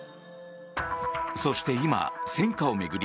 そして今、戦果を巡り